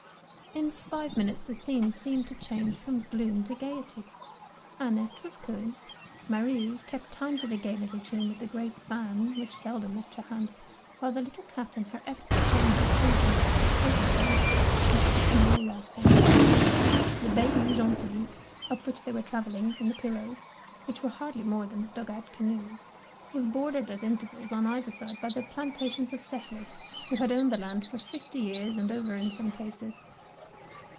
In five minutes the scene seemed to change from gloom to gaiety. Annette was cooing, Marie kept time to the gay little tune with the great fan which seldom left her hand, while the little cat in her efforts to gain her freedom tipped over her basket and set them all laughing. The Bayou Gentilly, up which they 164 THE PEABL NECKLACE were travelling in the pirogues, which were hardly more than dug out canoes, was bordered at intervals on either side by the plantations of settlers who had owned the land for fifty years and over in some cases.